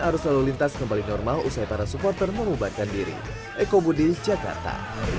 arus lalu lintas kembali normal usai para supporter mengubahkan diri ekobudil jakarta